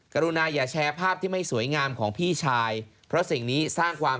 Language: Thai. กรุณาอย่าแชร์ภาพที่ไม่สวยงามของพี่ชายเพราะสิ่งนี้สร้างความ